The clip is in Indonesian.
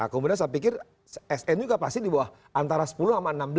kemudian saya pikir sn juga pasti di bawah antara sepuluh sama enam belas